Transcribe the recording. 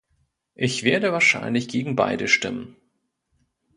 Ich werde wahrscheinlich gegen beide stimmen.